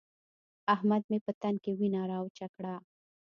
احمد مې په تن کې وينه راوچه کړه.